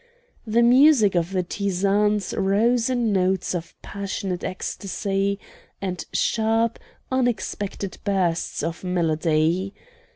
The music of the tizanes rose in notes of passionate ecstasy and sharp, unexpected bursts of melody.